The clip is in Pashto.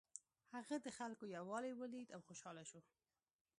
هغه د خلکو یووالی ولید او خوشحاله شو.